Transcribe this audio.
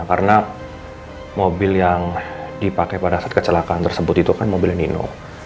karena mobil yang dipakai pada saat kecelakaan tersebut itu kan mobil nino